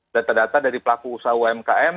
data data dari pelaku usaha umkm